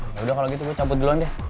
yaudah kalo gitu gue cabut duluan deh